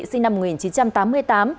sinh năm một nghìn chín trăm tám mươi tám